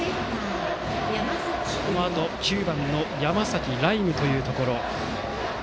このあと９番の山崎徠夢というところ。